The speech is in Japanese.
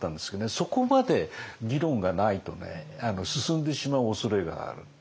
そこまで議論がないと進んでしまうおそれがある。